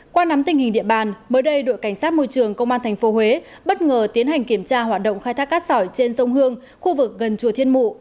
qua nắm tình hình địa bàn mới đây đội cảnh sát môi trường công an tp huế bất ngờ tiến hành kiểm tra hoạt động khai thác cát sỏi trên sông hương khu vực gần chùa thiên mụ